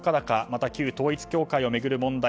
また旧統一教会を巡る問題